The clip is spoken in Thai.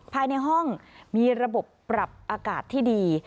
ภายในห้องมีระบบปรับอากาศที่ดี